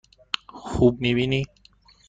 خوب می بینی؟